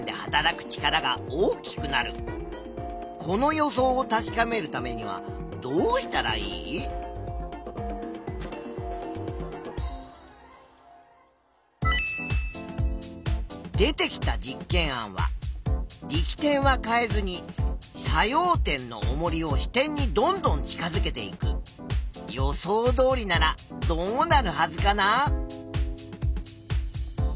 この予想を確かめるためにはどうしたらいい？出てきた実験案は力点は変えずに作用点のおもりを支点にどんどん近づけていく。予想どおりならどうなるはずかな？